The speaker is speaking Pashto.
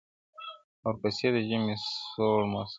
• او ورپسې د ژمي سوړ موسم -